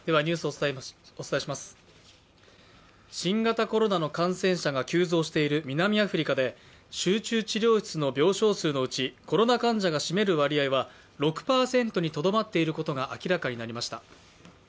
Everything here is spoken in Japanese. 新型コロナの感染者が急増している南アフリカで集中治療室の病床数のうちコロナ患者が占める割合は６％にとどまっていることが明らかになりました。